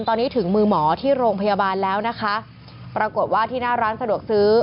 ตอนนี้ถึงมือหมอที่โรงพยาบาลแล้วนะคะปรากฏว่าที่หน้าร้านสะดวกซื้อ